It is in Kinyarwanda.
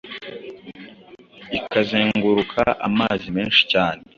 ikazenguruka amazi menshi cyane